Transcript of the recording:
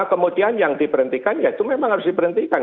kemudian yang diberhentikan ya itu memang harus diberhentikan